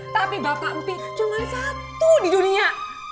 tapi bapak empi cuma satu di dunia